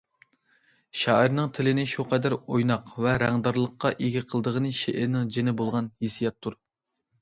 شائىرنىڭ تىلىنى شۇ قەدەر ئويناق ۋە رەڭدارلىققا ئىگە قىلىدىغىنى شېئىرنىڭ جېنى بولغان ھېسسىياتتۇر.